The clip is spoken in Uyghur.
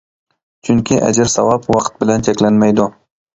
چۈنكى ئەجىر ساۋاپ ۋاقىت بىلەن چەكلەنمەيدۇ.